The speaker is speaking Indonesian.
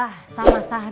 hurst malah terasa ketat